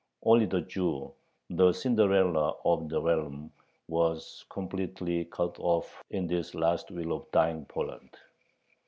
Only the Jew, the cinderella of the realm, was completely cut off in this last will of dying Poland.